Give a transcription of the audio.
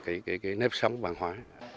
và xây dựng cái nếp sóng văn hóa